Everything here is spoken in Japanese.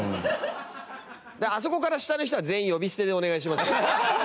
あそこから下の人は全員呼び捨てでお願いします。